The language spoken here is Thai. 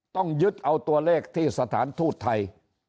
ต้องยึดเอาตัวเลขที่สถานทูตไทย